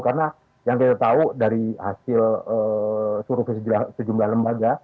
karena yang kita tahu dari hasil suruh sejumlah lembaga